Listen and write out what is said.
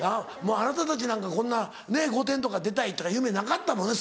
あなたたちなんかこんな『御殿‼』とか出たいとか夢なかったもんね